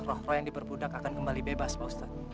roh roh yang diperbudak akan kembali bebas pak ustadz